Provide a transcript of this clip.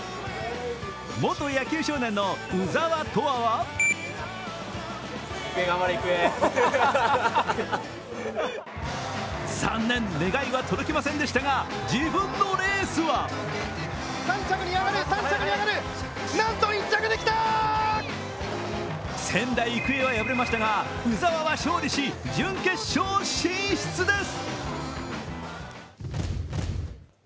元野球少年の鵜澤飛羽は前年、願いは届きませんでしたが自分のレースは仙台育英は敗れましたが鵜澤は勝利し、準決勝進出です！